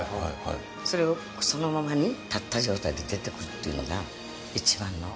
それをそのままね立った状態で出てくるっていうのが一番の。